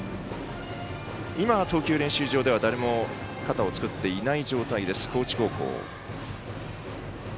今、投球練習場では誰も肩を作っていない状態です高知高校。